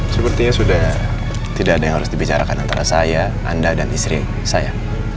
sepertinya sudah tidak ada yang harus dibicarakan antara saya anda dan istri saya